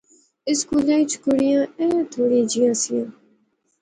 اس سکولے وچ کُڑیاں ایہہ تھوڑیاں جئیاں سیاں